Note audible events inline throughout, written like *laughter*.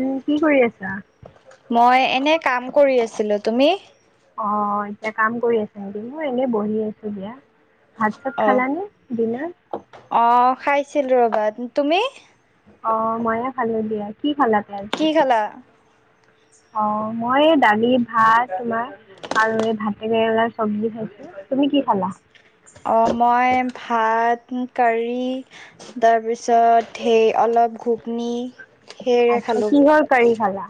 উম কি কৰি আছা? মই এনে কাম কৰি আছিলো তুমি? অ এতিয়া কাম কৰি আছা, মই এনেই বহি আছো দিয়া। ভাত -চাত অ খাল নে ডিনাৰ? অ খাইছিলো ৰ'বা, তুমি? অ ময়ো খালো দিয়া, কি খালা আজি? কি খালা অ মই দালি, ভাত তোমাৰ। আৰু এই ভাত কেৰেলাৰ চব্জি খাইছো, তুমি কি খালা? অঁ মই ভাত, কাৰী তাৰপিছত সেই অলপ গুগনি আৰ্টচা কিহৰ কাৰী খালা?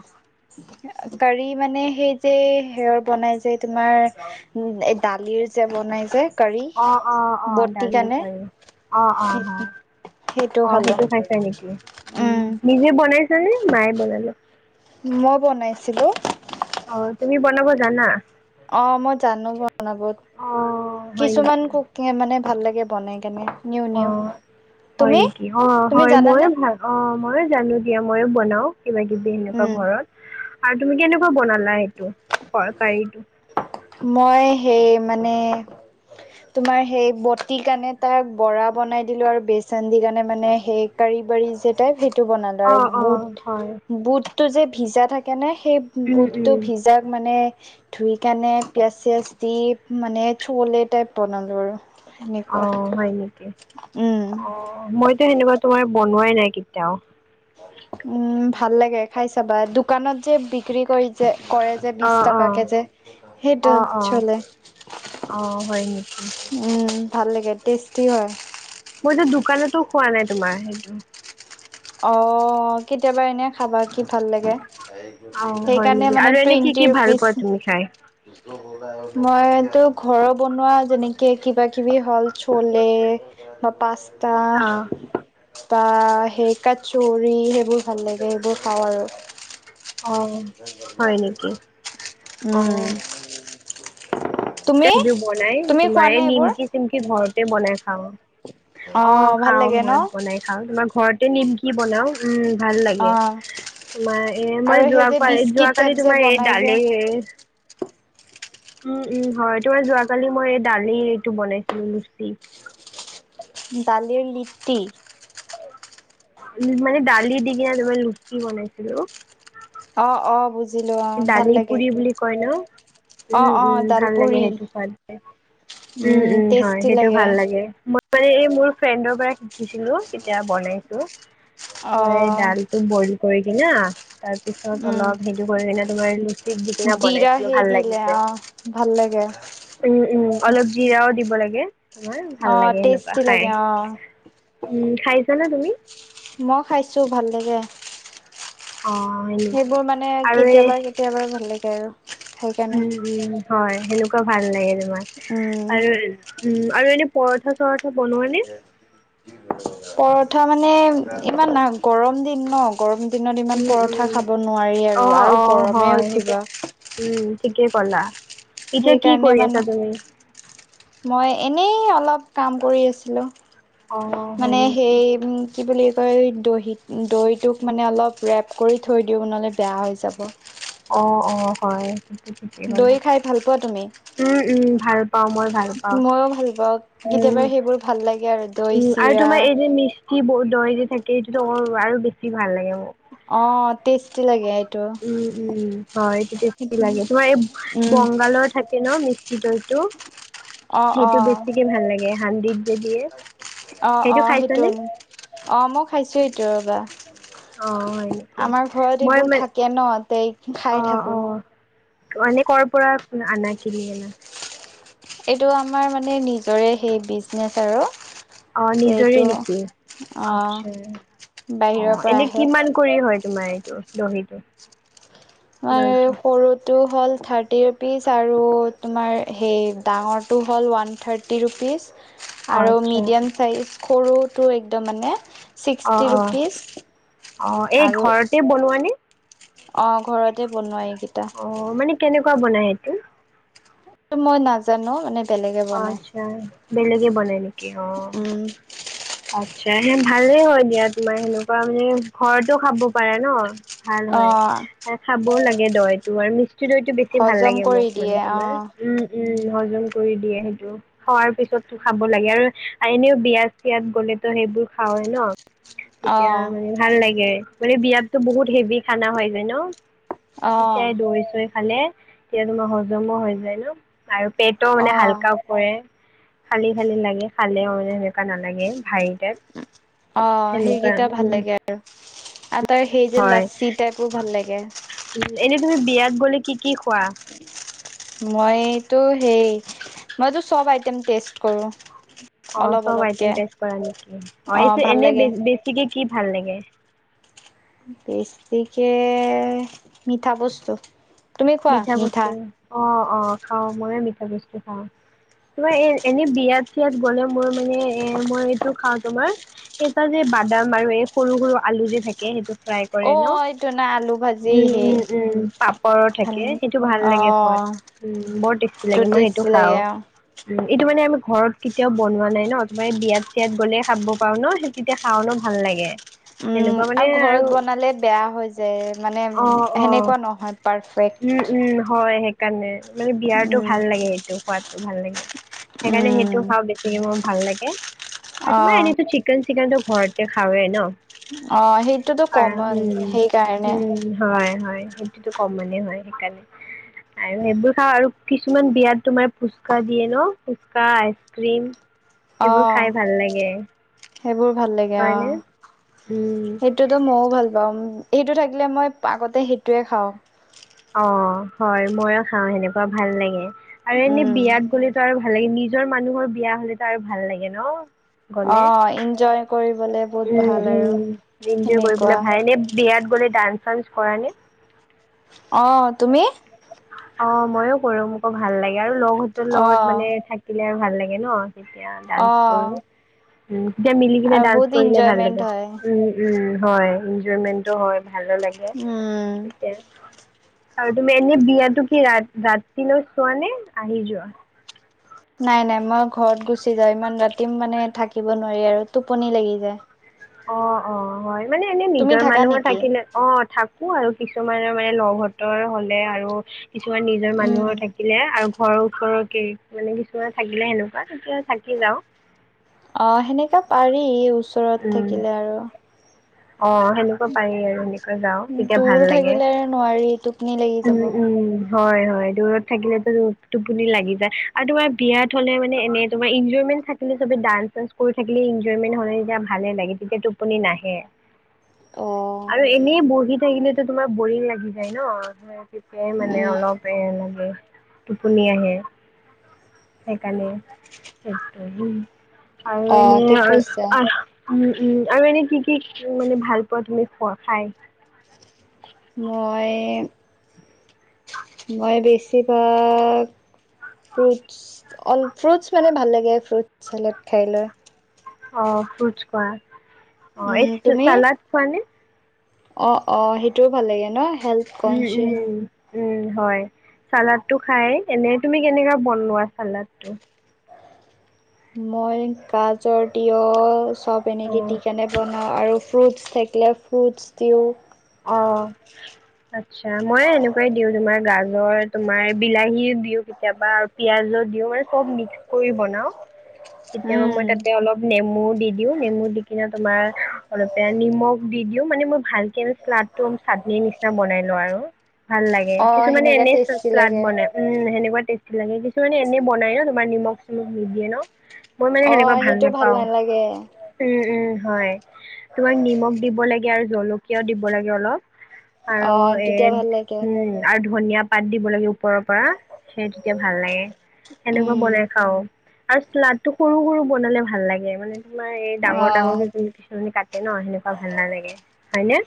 কাৰী মানে সেই যে হেয়ৰ বনাই যে তোমাৰ দালিৰ যে বনাই যে কাৰী অ অ বটি দালিৰ কাৰণে কাৰী। অ অ অ অ সেইটো খাইছে নেকি? উম নিজে বনাইছানে মায়ে বনালে? মই বনাইছিলোঁ। অ তুমি বনাব জানা? অ মই জানো বনাব, অ হয় কিছুমান নেকি? কুক *inaudible* মানে ভাল লাগে বনাই কেনে। নিউ অ নিউ হয় তুমি নেকি অ তুমি হয় জানানে মইও ভাল অ ময়ো জানো দিয়া মইও বনাও কিবা কিবি এনেকুৱা উম ঘৰত আৰু তুমি কেনেকুৱা। বনালা সেইটো তৰকাৰীটো? মই সেই মানে তোমাৰ সেই বটি কাৰণে বৰা বনাই দিলোঁ আৰু বেচন দি পেলাই মানে সেই কাৰী বাঢ়ি যে টাইপ সেইটো বনালো আৰু অঁ অঁ বুট হয় বুট বুটটো যে ভিজা থাকে ন সেই বুটটো ভিজায় মানে। ধুই পেলাই পিয়াজ -চিয়াজ দি মানে চলে টাইপ বনালো আৰু। অ সেনেকুৱা হয় নেকি উম অ মইতো সেনেকুৱা তোমাৰ বনোৱাই নাই কেতিয়াও উম ভাল লাগে খাই চাবা দোকানত যে বিক্ৰী কৰি। যে কৰে যে বিশ অঁ অঁ টকাকৈ যে সেইটো চলে। অ হয় নেকি উম ভাল লাগে টেষ্টি হয়। মইতো দোকানতো খোৱা নাই তোমাৰ সেইটো। অ কেতিয়াবা এনে খাবা কি ভাল লাগে, অঁ হয় সেইকাৰণে নেকি মানে আৰু এনেই কি টুৱেন্টি কি ভাল ৰুপিচ পোৱা তুমি খাই মইতো ঘৰৰ বনোৱা যেনেকে কিবা কিবি হ'ল চলে বা পাস্তা, অঁ বা সেই কাচৌৰি সেইবোৰ ভাল লাগে সেইবোৰ খাওঁ আৰু। অঁ হয় নেকি উম। তুমি কিবিও বনাই তুমি খোৱা তোমাৰ নে এইবোৰ নিমকি-চিমকি ঘৰতে বনাই খাওঁ। অ' ভাল খাওঁ লাগে ন মই বনাই খাওঁ, তোমাৰ ঘৰতে নিমকি বনাও উম। ভাল লাগে অ তোমাৰ এ আৰু মই সেই যোৱা, যে কি বিস্কিট টাইপ যোৱাকালি যে তোমাৰ এই বনাই যে দালে উম, উম হয় তোমাৰ যোৱাকালি মই এই দালি এইটো বনাইছিলো লুচি। ডালিৰ লিপ্তি। মানে ডালি দি কিনে তোমাৰ লুচি বনাইছিলো। অহ', অহ' বু দালি পুৰি বুলি কয় ন, অ উম অ উম ভাল লাগে ডালপুৰি সেইটো খোৱাদ যে। উম উম হয় সেইটো ভাল লাগে মই মানে এই মোৰ ফ্ৰেণ্ডৰ পৰা শিকিছিলো, তেতিয়া বনাইছো অ তোমাৰ এই ডালটো বইল কৰি কিনে তাৰপিছত উম অলপ হেটো কৰি কিনে তোমাৰ চিপ দি কিনি জিৰা বনাইছিলো সেই ভাল দিলে লাগিছে। অ ভাল লাগে উম উম অলপ জিৰাও দিব লাগে তোমাৰ অ ভাল লাগে, সেনেকুৱা টেষ্টি লাগে খাই। অ উম খাইছানে তুমি? মই খাইছো ভাল লাগে। অ' সেনেকুৱা সেইবোৰ মানে আৰু এই কেতিয়াবা কেতিয়াবা ভাল লাগে আৰু। সেইকাৰণে উম, উম হয়। সেনেকুৱা ভাল লাগে তোমাৰ উম আৰু উম আৰু এনে পৰঠা-চৰঠা বনোৱা নে? পৰঠা মানে ইমান না গৰম দিন ন। গৰম দিনত ইমান উম, পৰঠা উম, খাব নোৱাৰি আৰু, অ', আৰু অ', গৰমে হয় সেইটো উঠিব। উম ঠিকে ক'লা। এতিয়া কি সেইকাৰণে কৰি মানে আছা তুমি? মই এনেই অলপ কাম কৰি আছিলোঁ, অ' হয় মানে নেকি? সেই কি বুলি কয় দহিত দৈ টোক মানে অলপ ৰেপ কৰি থৈ দিওঁ নহ'লে বেয়া হৈ যাব। অ', অ' হয়। ঠিকেই ক'লা। দৈ খাই ভাল পোৱা তুমি? উম উম ভাল পাও মই। ভাল পাওঁ। মইও ভাল পাওঁ উম, কেতিয়াবা সেইবোৰ ভাল লাগে আৰু দৈ চিৰা। কি বহুত দৈ যে থাকে সেইটোতো বৰ ভাল, আৰু বেছি ভাল লাগে মোৰ। অ' টেষ্টি লাগে। এইটো উম, উম হয় এইটো টেষ্টি লাগে তোমাৰ এই উম, বংগালত থাকে ন মিষ্টি দৈতটো, অ', সেইটো অ', বেছিকে ভাল লাগে হান্দিত ত দিয়ে, অ', সেইটো অ', খাইছ নে? অ' মই খাইছো এইটো ৰ'বা। অ', হয় নেকি আমাৰ ঘৰত মই এইবোৰ মানে থাকে ন, তেই খাই অ', থাকো। অ'। মানে ক'ৰ পৰা আনা, কিনি অনা। এইটো আমাৰ মানে নিজৰে সেই বিজনেছ আৰু। অ' ত' নিজৰে এইটো নেকি! অ' আচ্ছা বাহিৰৰ অ' পৰা এনে আহে। কিমান কৰি হয় তোমাৰ এইটো দহিটো এই দৈটো সৰুটো হ'ল থাৰ্টি ৰুপিচ আৰু তোমাৰ সেই ডাঙৰটো হ'ল ওৱান থাৰ্টি ৰুপীছ অ আৰু আচ্ছা মিডিয়াম চাইজ সৰুটো একদম মানে অ ছিক্সটি অ অ ৰুপিছ এই আৰু ঘৰতে বনোৱা নে? অ', ঘৰতে বনোৱা এইকিটা। অ', মানে কেনেকুৱা বনাই এইটো? মই নাজানো মানে বেলেগে বনাই। আচ্ছা বেলেগে বনাই নেকি অ' উম, আচ্ছা সে ভালেই হয় দিয়া তোমাৰ সেনেকুৱা মানে ঘৰতো খাব পাৰে ন? ভাল হয় অ' আৰু খাবও লাগে দৱাইটো আৰু মি *unintelligible* টো বেছি ভাল হজম লাগে কৰি মোক মানে দিয়ে তোমাৰ অ'। উম, উম, হজম কৰি দিয়ে সেইটো খোৱাৰ পিছতো খাব লাগে আৰু এনেও বিয়া ইয়াত গ'লেতো সেইবোৰ খাওয়ে ন' তেতিয়া অ', মানে ভাল লাগে মানে বিয়াতো বহুত হেভি খানা হয় যায় ন'। তেতিয়াই অ'। দৈ চৈ খালে তেতিয়া তোমাৰ হজমো হৈ যায় ন'। আৰু পেটো মানে অ', হালকাও পৰে খালি খালি লাগে খালেও মানে নালাগে ভাই অ' সেইগিটা ভাল উম লাগে আৰু, আৰু তাৰ সেই যে লাচচি টাইপ খুব ভাল লাগে। এনেই তুমি বিয়াত গ'লে, কি কি খোৱা? মইটো সেই মইটো চব আইটেম টেষ্ট কৰোঁ। অ', চব আইটেম টেষ্ট কৰা নেকি? অ', এইচে ভাল এনে লাগে বে বেছিকে কি ভাল লাগে? বছিকে মিঠা বস্তু। তুমি খোৱা মিঠা বস্তু, অ' অ' খাওঁ ময়ো মিঠা বস্তু খাওঁ। তোমাৰ এ, এনেই বিয়াত চিয়াত গ'লে মোৰ মানে এ মই এইটো খাওঁ তোমাৰ এটা যে বাদাম আৰু এই সৰু সৰু আলু যে থাকে, সেইটো ফ্ৰাই অ কৰে ন? এইটো না আলু ভাজি উম, সেই উম, উম, পাপৰো থাকে ভাল কি, সেইটো ভাল অ লাগে খোৱাত, উম, বৰ টেষ্টি টো লাগে মই সেইটো টেষ্টি লাগে খাওঁ। অ উম, এইটো মানে আমি ঘৰত কেতিয়াও বনোৱা নাই ন', তোমাৰ বিয়াত চিয়াত গ'লে খাব পাওঁ ন'। তেতিয়া খাওঁ ন' ভাল লাগে। উম, তেনেকুৱা মানে আৰু ঘৰত বনালে বেয়া হৈ যে, মানে অ অ সেনেকুৱা নহয় পাৰফেক্ট। উম, উম, হয়। সেইকাৰণে মানে বিয়াৰটো উম ভাল লাগে, এইটো খোৱাদটো ভাল লাগে। সেইকাৰণে উম সেইটো খাওঁ বেছিকে মোৰ ভাল লাগে আৰু অ তোমাৰ এনেইটো চিক লোকেল চিকেনটো ঘৰতে খাওঁৱে ন? অ', সেইটোতো আৰু কমন, উম সেইকাৰণে উম হয়' হয়' সেইটোতো কমনে হয়, সেইকাৰণে আৰু সেইবোৰ খাওঁ আৰু কিছুমান বিয়াত তোমাৰ ফুচকা দিয়ে ন', ফুচকা, আইচ ক্ৰীম অ সেইবোৰ খাই ভাল লাগে সেইবোৰ ভাল লাগে হয়নে? অ উম, সেইটোতো ময়ো ভাল পাওঁ, সেইটো থাকিলে মই আগতে সেইটোয়ে খাওঁ। অ', হয় ময়ো খাওঁ হেনেকুৱা ভাল লাগে, আৰু এনে উম বিয়াত গ'লে সেইটো আৰু ভাল লাগে, নিজৰ মানুহৰ বিয়া হ'লে টো আৰু ভাল লাগে ন? অ গ'লে ইনজয় কৰিবলে বহুত উম, ভাল আৰু উম, এনজয় সেনেকুৱা কৰিবলৈ ভাল এনে বিয়াত গ'লে ডান্স চান্স কৰা নে? অ', তুমি? অ' মইয়ো কৰো মোকো ভাল লাগে আৰু লগ হতঁৰ অ লগত মানে থাকিলে আৰু ভাল লাগে ন। তেতিয়া অ ডান্স কৰোঁ, তেতিয়া মিলি কিনে আৰু বহুত ডান্স কৰিলে ভাল ইনজয়মেন্ট লাগে। হয় উ' উম' হয় এনজয়মেন্টো হয় ভালো লাগে। উম আৰু তুমি এনে বিয়াতো কি ৰাতি ৰাতিলৈ চোৱা নে? আহি যোৱা, নাই নাই মই ঘৰত গুচি যাওঁ। ইমান ৰাতি মানে থাকিব নোৱাৰি আৰু টোপনি লাগি যায়। অ' অ' হয় মানে এনে তুমি নিজৰ থাকা মানুহৰ নেকি থাকিলে অ', থাকো আৰু কিছুমানৰ মানে লগ হতঁৰ হ'লে আৰু কিছুমান নিজৰ উম মানুহৰ থাকিলে আৰু ঘৰৰ ওচৰৰ ঘৰৰ গিৰি মানে কিছুমান থাকিলে সেনেকুৱা তেতিয়া থাকি যাওঁ। অ' সেনেকা পাৰি ওচৰত উম, থাকিলে আৰু, অ' সেনেকুৱা, থাকিব পাৰি আৰু এনেকৈ যাওঁ তেতিয়া দূৰ ভাল লাগে। থাকিলে নোৱাৰি টোপনি লাগি যাব উ' উম' হয়' হয়' দূৰত থাকিলেটো টোপনি লাগি যায় আৰু তোমাৰ বিয়াত হ'লেও মানে এনে তোমাৰ এনজয়মেন্ট যদি চবে ডান্স চাঞ্চ কৰি থাকিলে এনজয়মেন্ট হয় তেতিয়া ভালেই লাগে। তেতিয়া টোপনি নাহে। অ আৰু এনেই বহি থাকিলে তেতিয়া তোমাৰ বৰিং লাগি যায় ন? মোৰ তেতিয়াই মানে উম অলপ বেয়া লাগে। টোপনি আহে সেইকাৰণে, আৰু অ এনেই ঠিক আৰু কৈছা আহ উম-উম আৰু এনেই কি-কি মানে ভাল পোৱা তুমি খোৱা খাই? মই-মই বেছিভাগ ফ্ৰুটছ অল ফ্ৰুটছ মানে ভাল লাগে ফ্ৰুট চালাড খাই লৈ অ, ফ্ৰুটচ খোৱা অ, উম এই চালাদ খোৱা নে? অ-অ সেইটোও ভাল লাগে ন হেল্থ কনচিয়াছ উম-উম উম, হয় চালাডটো খাই এনে তুমি কেনেকা বনোৱা চালাডটো? মই গাজৰ তিঁয়হ চব অ এনেকৈ দি কেনে বনাওঁ আৰু ফ্ৰুটছ থাকিলে ফ্ৰুটছ দিওঁ অ, আচ্ছা মই এনেকুৱাই দিওঁ তোমাৰ গাজৰ তোমাৰ বিলাহী দিওঁ কেতিয়াবা পিয়াজো দিও মানে চব মিক্স কৰি বনাঁও কেতিয়াবা উম মই তাতে অলপ নেমু দি-দিঁও নেমু দি কিনে তোমাৰ অলপে নিমখ দি-দিঁও মানে মই ভালকে শ্লাদটো চাটনীৰ নিচিনা বনাই লওঁ আৰু ভাল লাগে অ কিছুমানে সেনেকা এনেই টেষ্টি শ্লাদ লাগে বনাই উম' এনেকুৱা টেষ্টি লাগে, কিছুমানে এনে বনাই ন? তোমাৰ নিমখ চিমখ নিদিয়ে ন? মই মানে অ সেনেকুৱা ভাল সেইটো নেপাওঁ। নালাগে উম' উম' হয়। তোমাক নিমখ দিব লাগে আৰু জলকীয়াও দিব লাগে অলপ অ আৰু এ, তেতিয়া ভাল লাগে উম' আৰু ধনিয়া পাত দিব লাগে ওপৰৰ পৰা সেই তেতিয়া ভাল লাগে সেনেকুৱা উম বনাই খাঁও আৰু শ্লাদটো সৰু-সৰু বনালে ভাল লাগে মানে তোমাৰ এই ডাঙৰ অ ডাঙৰ যি কিছুমানে কাটে ন সেনেকুৱা ভাল নালাগে হয় নে?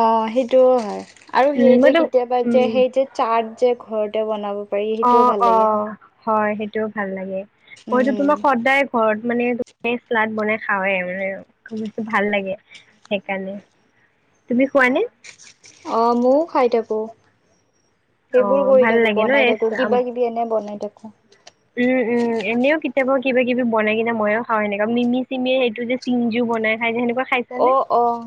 অ, সেইটোও হয় আৰু উম সেই যে মইতো কেতিয়াবা যে সেই যে চাত যে ঘৰতে বনাব পাৰি সেইটোও ভাল অ-অ লাগে হয় সেইটোও ভাল লাগে মইতো উম তোমাক সদায় ঘৰত মানে শ্লাাদ বনাই খাওঁৱে মানে খুব বেছি ভাল লাগে সেইকাৰণে তুমি খোৱানে? অ, মইও খাই থাকোঁ সেইবোৰ অঁ কৰি ভাল থাকোঁ লাগে বনাই থাকো ন কিবা-কিবি এনে বনাই থাকোঁ উম-উম এনেও কেতিয়াবা কিবা-কিবি বনাই কিনে ময়ো খাওঁ এনেকা মিমি চিমি সেইটো যে চিনজু বনাই খায় যে হেনেকোৱা। অ', অ',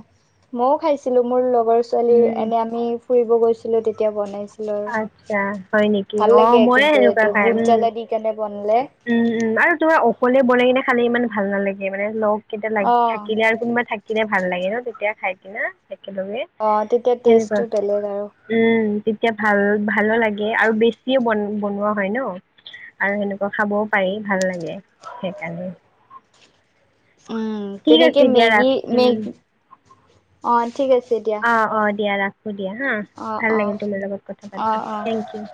মইও খাইছিলো, মোৰ লগৰ ছোৱালী উম এনে আমি ফুৰিব গৈছিলো, তেতিয়া বনাইছিল। হেল্লো', আচ্ছা হয় নেকি ভাল অ লাগে ময়ে কিন্তু, সেনেকুৱা এইটো খাই ভুট উম। জালা দি, কেনে বনালে। উম, উম, আৰু তোমাৰ অকলে বনাই কিনে খালি ইমান ভাল নালাগে মানে লগ কিতা লাগ অ থাকিলে আৰু কোনোবা থাকিলে ভাল লাগে ন, তেতিয়া খাই কিনা একেলগে। অ', তেতিয়া সেনেকুৱা। টেষ্টটো বেলেগ আৰু। উম, তেতিয়া ভাল ভালো লাগে, আৰু বেছিও বন বনোৱা হয় ন। আৰু সেনেকুৱা খাবও পাৰি ভাল লাগে, সেইকাৰণে। উম, ঠিক তেনেকে আছে দিয়া ৰাখ মেগী মেগ উম। অ', ঠিক আছে দিয়া। অ', অ', দিয়া ৰাখো দিয়া হা, অ ভাল অ লাগিল তোমাৰ লগত কথা অ পাতি, অ থেংক ইউ।